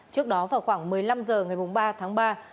trước đó vào khoảng một mươi năm h ngày ba tháng ba